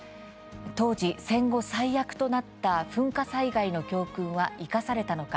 当時、戦後最悪となった噴火災害の教訓は生かされたのか。